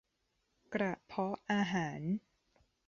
กระเพาะอาหาร